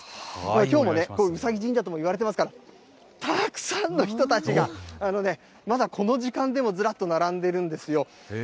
きょうもね、うさぎ神社ともいわれてますから、たくさんの人たちが、まだこの時間でもずらっと並んでるんですよ。